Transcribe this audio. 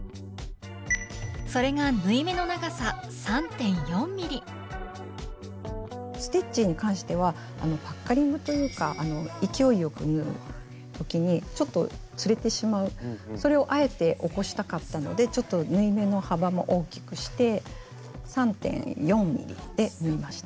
それがステッチに関してはパッカリングというか勢いよく縫う時にちょっとずれてしまうそれをあえて起こしたかったのでちょっと縫い目の幅も大きくして３．４ｍｍで縫いました。